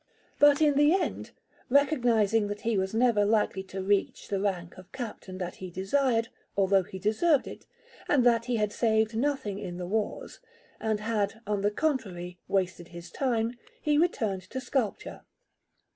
But in the end, recognizing that he was never likely to reach the rank of captain that he desired, although he deserved it, and that he had saved nothing in the wars, and had, on the contrary, wasted his time, he returned to sculpture.